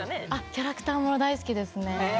キャラクター物大好きです。